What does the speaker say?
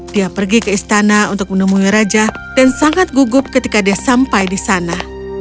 dia pergi ke istana untuk menemui raja dan sangat gugup ketika dia sampai di sana